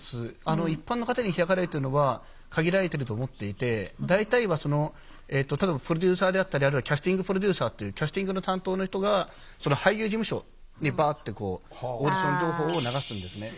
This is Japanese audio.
一般の方に開かれるっていうのは限られてると思っていて大体は例えばプロデューサーであったりあるいはキャスティングプロデューサーっていうキャスティングの担当の人が俳優事務所にバッてオーディション情報を流すんですね。